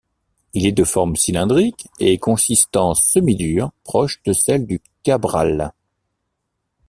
Il est de forme cylindrique, et consistance semi-dure, proche de celle du cabrales.